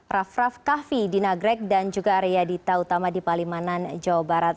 raff raff kahvi di nagreg dan juga riyadita utama di palimanan jawa barat